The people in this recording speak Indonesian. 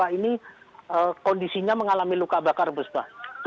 nah ini kondisinya mengalami luka bakar bu sba